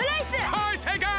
はいせいかい！